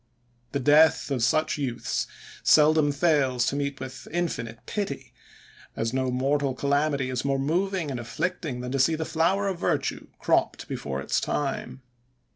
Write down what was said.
The death of such youths seldom fails to meet with infinite pity; as no mortal calamity is more moving and afflicting, than to see the flower of virtue cropped before its time.